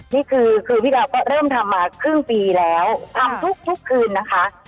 นี่คือคือพี่ดาวก็เริ่มทำมาครึ่งปีแล้วทำทุกคืนนะคะ